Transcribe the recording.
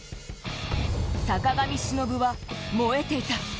坂上忍は燃えていた。